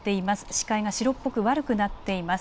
視界が白っぽく悪くなっています。